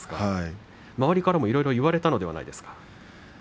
周りからもいろいろ言われたのではないですか。